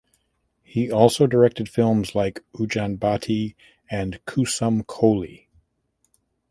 He also directed films like "Ujan Bhati" and "Kusum Koli".